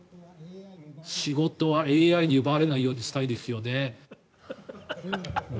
仕事はＡＩに奪われないようにしたいですよね。